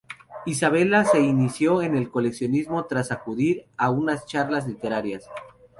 Isabella se inició en el coleccionismo tras acudir a unas charlas literarias.